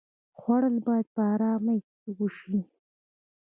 خوړل باید په آرامۍ وشي